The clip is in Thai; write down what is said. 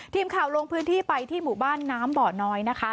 ทีมข่าวลงพื้นที่ไปที่หมู่บ้านน้ำบ่อน้อยนะคะ